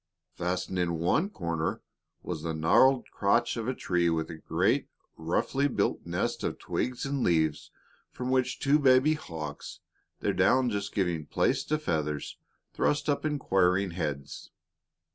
Fastened in one corner was the gnarled crotch of a tree with a great, roughly built nest of twigs and leaves from which two baby hawks, their down just giving place to feathers, thrust up inquiring heads.